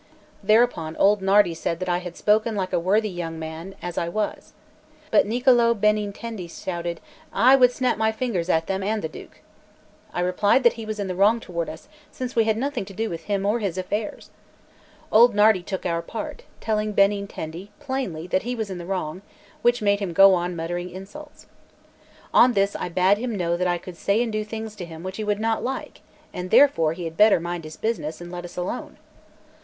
Thereupon old Nardi said that I had spoken like a worthy young man as I was. But Niccolò Benintendi shouted: "I snap my fingers at them and the Duke." I replied that he was in the wrong toward us, since we had nothing to do with him or his affairs. Old Nardi took our part, telling Benintendi plainly that he was in the wrong, which made him go on muttering insults. On this I bade him know that I could say and do things to him which he would not like, and therefore he had better mind his business, and let us alone.